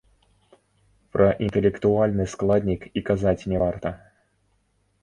Пра інтэлектуальны складнік і казаць не варта.